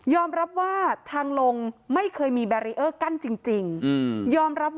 ยอมรับว่าทางลงไม่เคยมีเบรียร์